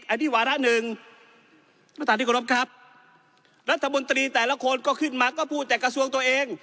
ในที่วาระหนึ่งรัฐบุญตรีแต่ละคนก็ขึ้นมาก็พูดแต่กระทรวงตัวเอง